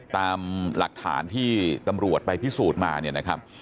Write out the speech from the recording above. ตามหลักฐานที่ตำรวจไปพิสูจน์มาเนี่ยนะครับ